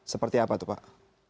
seperti apa itu pak